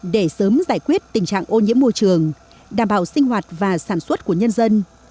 để sớm giải quyết tình trạng ô nhiễm môi trường đảm bảo sinh hoạt và sản xuất của nhân dân